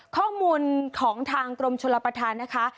ข้อมูลของทางกรมชลประธานนะคะ